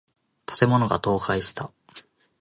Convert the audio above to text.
建物が倒壊した。